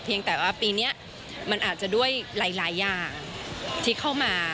ยังแต่ว่าปีนี้มันอาจจะด้วยหลายอย่างที่เข้ามา